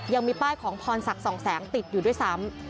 ยังมีป้ายของพรศักดิ์สองแสงติดอยู่ด้วยซ้ำ